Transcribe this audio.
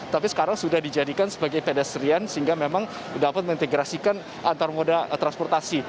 tapi sekarang sudah dijadikan sebagai pedestrian sehingga memang dapat mengintegrasikan antar moda transportasi